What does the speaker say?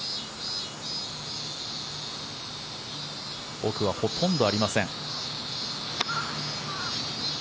奥はほとんどありません。